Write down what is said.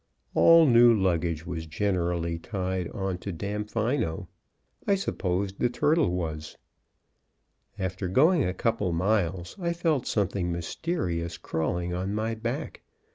All new luggage was generally tied on to Damfino; I supposed the turtle was. After going a couple miles, I felt something mysterious crawling on my back.